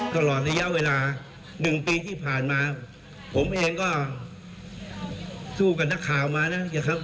ตลอดระยะเวลา๑ปีที่ผ่านมาผมเองก็สู้กับนักข่าวมานะครับ